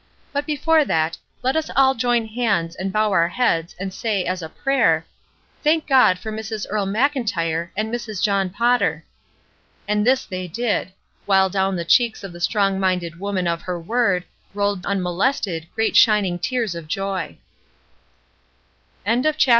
But before that, let us all join hands and bow our heads and say, as a prayer, 'Thank God for Mrs. Earle Mclntyre and Mrs. John Potter.''' And this they did; while down the cheeks of the strong minded woman of her word rolled unmolested great shining tears of joy.